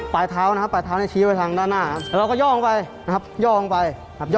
ปลายเท้าชี้ไว้ทางด้านหน้า